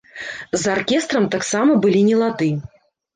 З аркестрам таксама былі нелады.